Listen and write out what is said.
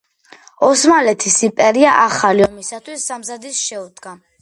ოსმალეთის იმპერია ახალი ომისათვის სამზადისს შეუდგა.